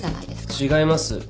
違います。